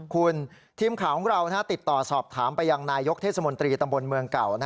คุณทีมข่าวของเราติดต่อสอบถามไปยังนายกเทศมนตรีตำบลเมืองเก่า